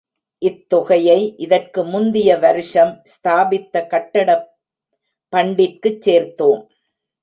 இத்தொகையை இதற்கு முந்திய வருஷம் ஸ்தாபித்த கட்டட பண்டிற்கு ச் சேர்த்தோம்.